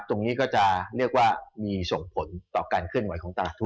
ตรงนี้ก็จะเรียกว่ามีส่งผลต่อการเคลื่อนไหวของตลาดทุน